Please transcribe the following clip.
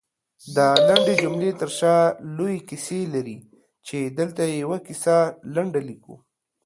دالنډې جملې ترشا لويې کيسې لري، چې دلته يې يوه کيسه لنډه ليکو